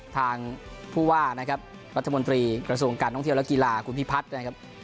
ทางผู้ว่านะครับรัฐมนตรีกระทรวงการท่องเที่ยวและกีฬาคุณพิพัฒน์นะครับ